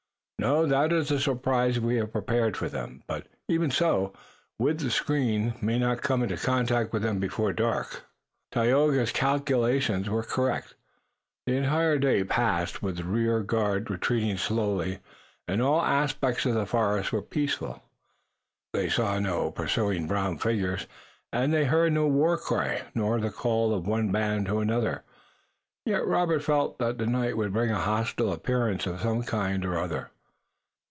"No, that is the surprise we have prepared for them. But even so, we, the screen, may not come into contact with them before the dark." Tayoga's calculation was correct. The entire day passed while the rear guard retreated slowly, and all the aspects of the forest were peaceful. They saw no pursuing brown figures and they heard no war cry, nor the call of one band to another. Yet Robert felt that the night would bring a hostile appearance of some kind or other.